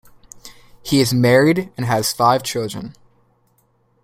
He is married and has five children.